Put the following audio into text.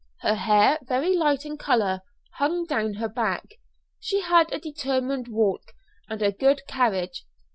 Her hair, very light in colour, hung down her back. She had a determined walk and a good carriage.